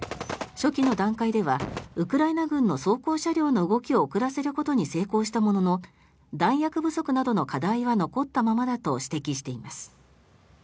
初期の段階ではウクライナ軍の装甲車両の動きを遅らせることに成功したものの弾薬不足などの課題は残ったままだと指摘しています。